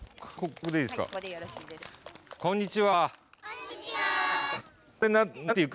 こんにちは。